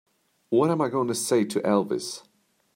What am I going to say to Elvis?